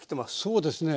そうですね。